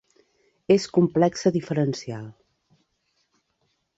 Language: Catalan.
és complexa diferencial.